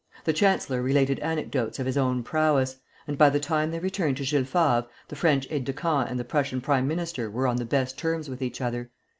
The chancellor related anecdotes of his own prowess, and by the time they returned to Jules Favre, the French aide de camp and the Prussian prime minister were on the best terms with each other.